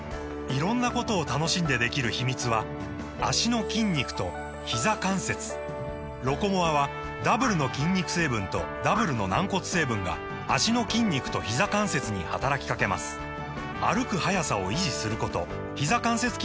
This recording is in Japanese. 色んなことを楽しんでできる秘密は脚の筋肉とひざ関節「ロコモア」はダブルの筋肉成分とダブルの軟骨成分が脚の筋肉とひざ関節に働きかけます歩く速さを維持することひざ関節機能を維持することが報告されています